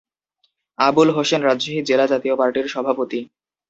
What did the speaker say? আবুল হোসেন রাজশাহী জেলা জাতীয় পার্টির সভাপতি।